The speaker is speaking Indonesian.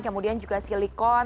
kemudian juga silikon